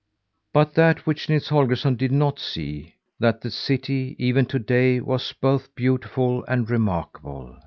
But that which Nils Holgersson did not see was, that the city even to day was both beautiful and remarkable.